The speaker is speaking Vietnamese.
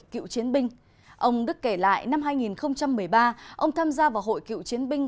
cựu chiến binh ông đức kể lại năm hai nghìn một mươi ba ông tham gia vào hội cựu chiến binh